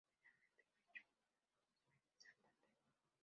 Finalmente fichó por el Go Fit Santander.